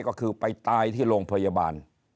ก็คือไปตายที่โรงพยาบาล